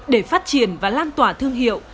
để phát triển và lan tỏa thương hiệu